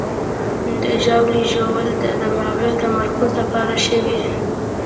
د ژاولې ژوول د دماغي تمرکز لپاره ښه وي.